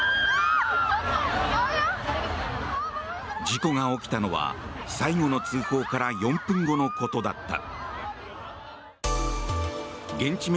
事故が起きたのは最後の通報から４分後のことだった。